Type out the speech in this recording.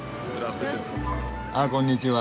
あこんにちは。